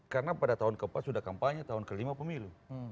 karena pada tahun ke empat sudah kampanye tahun ke lima pemilu